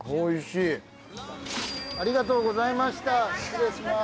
ありがとうございました失礼します。